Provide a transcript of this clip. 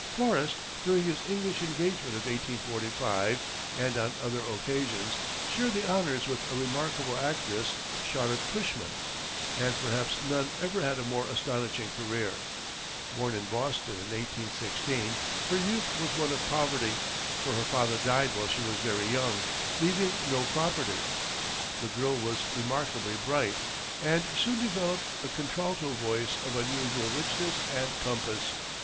Forrest, during his English engagement of 1845, and on other occasions, shared the honors with a remarkable actress, Charlotte Cushman. And perhaps none ever had a more astonishing career. Born in Boston in 1816, her youth was one of poverty, for her father died while she was very young, leaving no property. The girl was remarkably bright, and soon developed a contralto voice of unusual richness and compass.